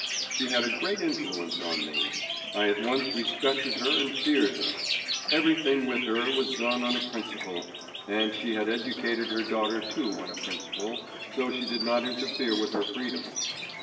She had a great influence on me; I at once respected her and feared her. Everything with her was done on a principle, and she had educated her daughter too on a principle, though she did not interfere with her freedom.